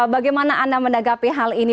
bagaimana anda menanggapi hal ini